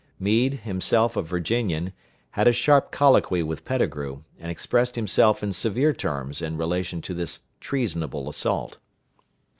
Meade, himself a Virginian, had a sharp colloquy with Petigru, and expressed himself in severe terms in relation to this treasonable assault.